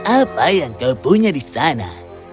apa yang kau punya di sana